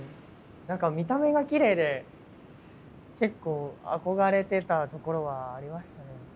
何か見た目がきれいで結構憧れてたところはありましたね。